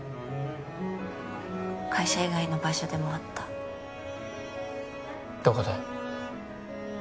会社以外の場所でも会ったどこで？